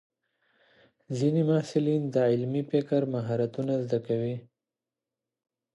ځینې محصلین د علمي فکر مهارتونه زده کوي.